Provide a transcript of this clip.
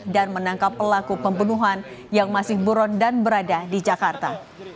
dan menangkap pelaku pembunuhan yang masih buron dan berada di jakarta